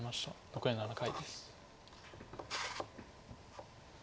残り７回です。